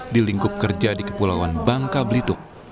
di lingkup kerja di kepulauan bangka belitung